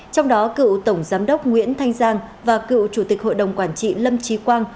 trong đó cựu tổng giám đốc nguyễn thanh giang và cựu chủ tịch hội đồng quản trị lâm trí quang